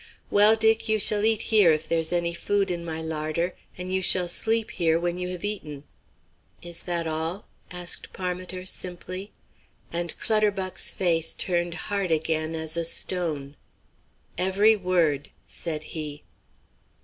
"Well, Dick, you shall eat here, if there's any food in my larder, and you shall sleep here when you have eaten." "Is that all?" asked Parmiter, simply, and Clutterbuck's face turned hard again as a stone. "Every word," said he.